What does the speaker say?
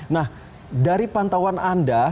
nah dari pantauan anda